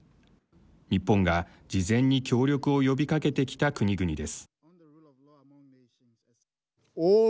日本が事前に協力を呼びかけてきた国々です。